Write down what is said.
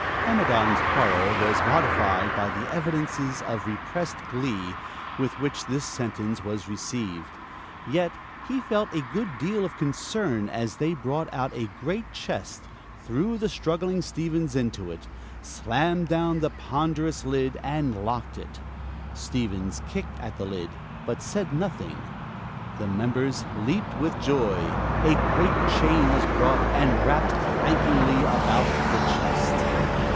Amidon's horror was modified by the evidences of repressed glee with which this sentence was received. Yet he felt a good deal of concern as they brought out a great chest, threw the struggling Stevens into it, slammed down the ponderous lid and locked it. Stevens kicked at the lid, but said nothing. The members leaped with joy. A great chain was brought and wrapped clankingly about the chest.